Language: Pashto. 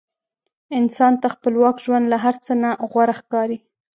انسان ته خپلواک ژوند له هر څه نه غوره ښکاري.